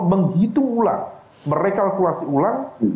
menghitung ulang merekalkulasi ulang